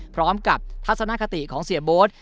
พร้อมกับทัศนคติของเสียบโบ๊ท